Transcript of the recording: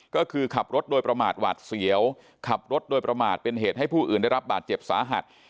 ก็คือขับรถโดยประมาทหวาดเสียวขับรถโดยประมาทเป็นเหตุให้ผู้อื่นได้รับบาดเจ็บสาหัส